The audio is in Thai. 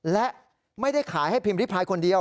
และไม่ได้ขายให้พิมพ์ริพายคนเดียว